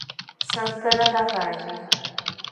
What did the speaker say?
Santana da Vargem